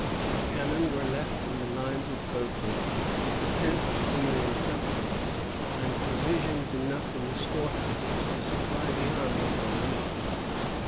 The cannon were left in the lines of Beauport, the tents in the encampments, and provisions enough in the storehouses to supply the army for a week.